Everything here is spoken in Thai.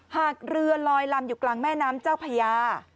หากเรือลอยลำอยู่กลางแม่น้ำเจ้าพญา